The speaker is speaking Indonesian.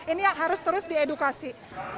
ini harus terus diedukasi